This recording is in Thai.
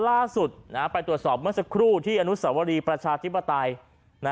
ล่าสุดไปตรวจสอบเมื่อสักครู่ที่อนุสวรีประชาธิปไตย